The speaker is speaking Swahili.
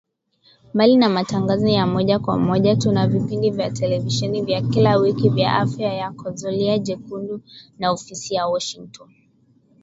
Mbali na matangazo ya moja kwa moja tuna vipindi vya televisheni vya kila wiki vya Afya Yako, Zulia Jekundu na Ofisi ya Washingotn